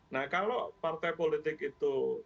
nah kalau partai politik itu